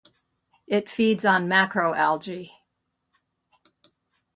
It feeds on macroalgae.